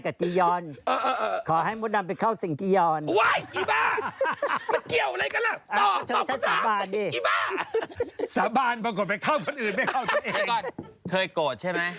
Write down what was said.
เคยโกรธใช่ไหม